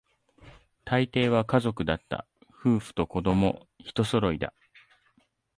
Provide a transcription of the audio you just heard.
大抵は家族だった、夫婦と子供、一揃いだ